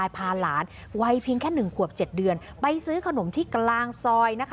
พาหลานไว้เพียงแค่หนึ่งขวบเจ็ดเดือนไปซื้อขนมที่กลางซอยนะคะ